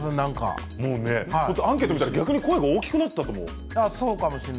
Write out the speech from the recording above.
アンケート見たら逆に声が大きくなったと。